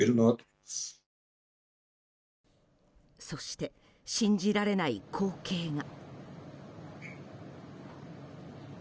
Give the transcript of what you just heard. そして、信じられない光景が。